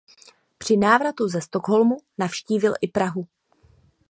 Při návratu ze Stockholmu navštívil i Prahu.